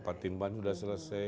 patimban udah selesai